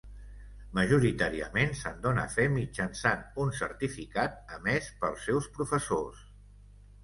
Majoritàriament, se'n dóna fe mitjançant un certificat emès pels seus professors.